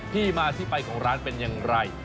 ที่มาที่ไปของร้านเป็นอย่างไร